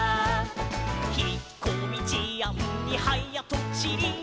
「ひっこみじあんにはやとちり」